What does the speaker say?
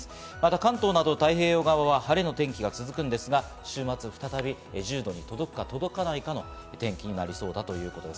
関東など太平洋側は晴れの天気が続きますが、週末を再び１０度に届くかどうかの天気になりそうだということです。